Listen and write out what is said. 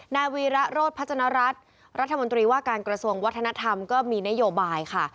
นายวีระโรธพัฒนรัฐรัฐมนตรีว่าการกระทรวงวัฒนธรรมก็มีนโยบายค่ะ